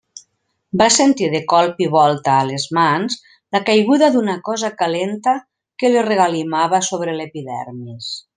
Va sentir de colp i volta a les mans la caiguda d'una cosa calenta que li regalimava sobre l'epidermis.